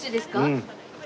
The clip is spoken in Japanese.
うん。